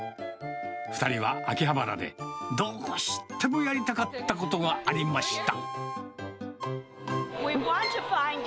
２人は秋葉原で、どうしてもやりたかったことがありました。